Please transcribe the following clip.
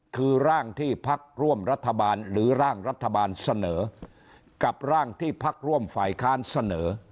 คือร่างที่พักร่วมรัฐบาลหรือร่างรัฐบาลเสนอกับร่างที่พักร่วมฝ่ายค้านเสนอ